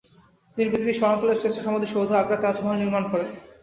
তিনি পৃথিবীর স্মরণকালের শ্রেষ্ঠ সমাধিসৌধ "আগ্রার তাজমহল" নির্মাণ করেন।